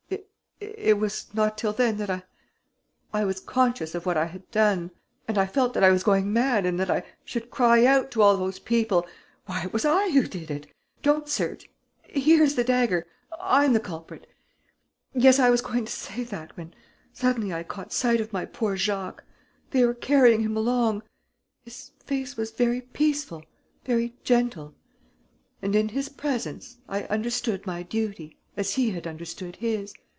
It was not till then that I was conscious of what I had done ... and I felt that I was going mad and that I should cry out to all those people, 'Why, it was I who did it! Don't search! Here is the dagger ... I am the culprit!' Yes, I was going to say that, when suddenly I caught sight of my poor Jacques.... They were carrying him along.... His face was very peaceful, very gentle.... And, in his presence, I understood my duty, as he had understood his....